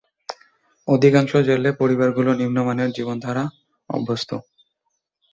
অধিকাংশ জেলে পরিবারগুলো নিম্নমানের জীবনধারা অভ্যস্ত।